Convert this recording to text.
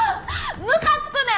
ムカつくねん